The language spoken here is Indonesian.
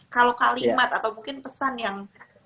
kalau kalimat atau mungkin pesan yang